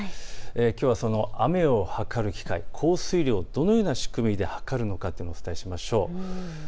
きょうはその雨を測る機械、降水量、どのような仕組みで測るのかというのをお伝えしましょう。